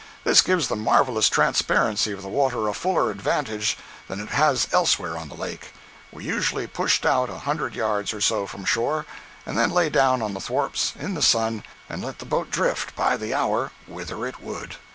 This gives the marvelous transparency of the water a fuller advantage than it has elsewhere on the lake. We usually pushed out a hundred yards or so from shore, and then lay down on the thwarts, in the sun, and let the boat drift by the hour whither it would.